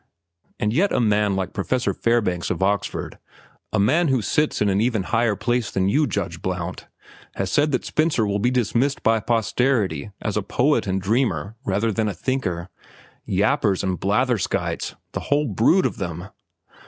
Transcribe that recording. "And yet a man like Principal Fairbanks of Oxford—a man who sits in an even higher place than you, Judge Blount—has said that Spencer will be dismissed by posterity as a poet and dreamer rather than a thinker. Yappers and blatherskites, the whole brood of them!